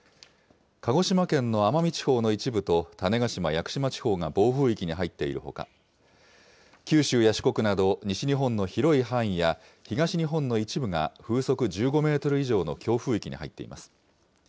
鹿児島県の奄美地方の一部と、種子島・屋久島地方が暴風域に入っているほか、九州や四国など、西日本の広い範囲や東日本の一部が風速１５メートル以上の強風域に入っています。